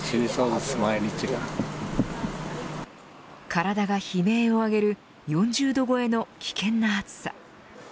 体が悲鳴を上げる４０度超えの危険な暑さ。